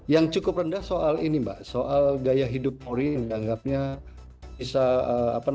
yang cukup rendah soal ini mbak soal gaya hidup polri yang dianggapnya bisa mengganggu kondisi sosial kita